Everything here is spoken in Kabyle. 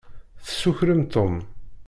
Tessukrem Tom.